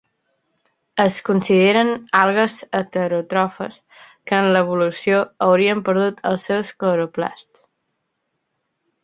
Es consideren algues heteròtrofes que en l'evolució, haurien perdut els seus cloroplasts.